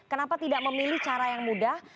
kenapa tidak memilih cara yang mudah